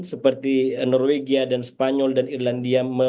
seperti norwegia dan spanyol dan irlandia